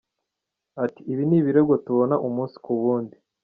Ati “Ibi ni ibirego tubona umunsi ku wundi.